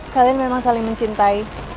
kalian memang saling mencintai